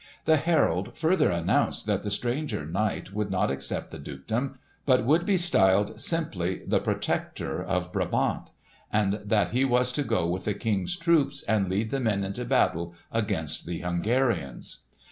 The herald further announced that the stranger knight would not accept the dukedom, but would be styled simply the Protector of Brabant; and that he was to go with the King's troops and lead the men into battle against the Hungarians.